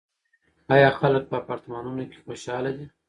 آیا خلک په اپارتمانونو کې خوشحاله دي؟